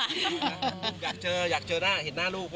อยากเจอหน้าเห็นหน้าลูก